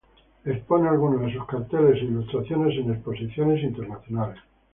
Expone algunos de sus carteles e ilustraciones en exposiciones internacionales.